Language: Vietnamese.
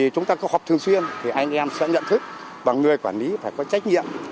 chúng ta có họp thường xuyên thì anh em sẽ nhận thức và người quản lý phải có trách nhiệm